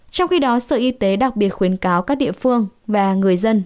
trong khi đó sở y tế đặc biệt khuyến cáo các địa phương và người dân